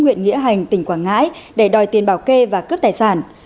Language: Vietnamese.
huyện nghĩa hành tỉnh quảng ngãi để đòi tiền bảo kê và cướp tài sản